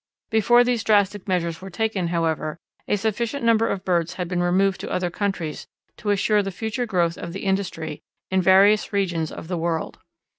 Before these drastic measures were taken, however, a sufficient number of birds had been removed to other countries to assure the future growth of the industry in various regions of the world.